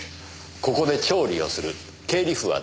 ここで調理をする経理夫はどうでしょう？